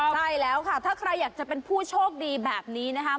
ใช่แล้วค่ะถ้าใครอยากจะเป็นผู้โชคดีแบบนี้นะคะ